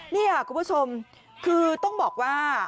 นี่ค่ะคุณผู้ชมคือต้องบอกว่า